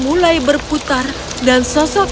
mulai berputar dan sosok